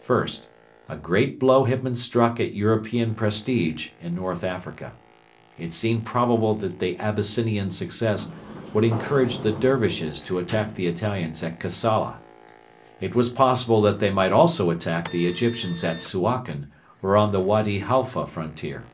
First, a great blow had been struck at European prestige in North Africa. It seemed probable that the Abyssinian success would encourage the Dervishes to attack the Italians at Kassala. It was possible that they might also attack the Egyptians at Suakin or on the Wady Halfa frontier.